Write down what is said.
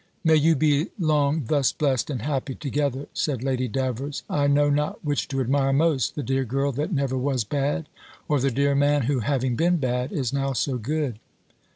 "May you be long thus blest and happy together!" said Lady Davers. "I know not which to admire most, the dear girl that never was bad, or the dear man, who, having been bad, is now so good!"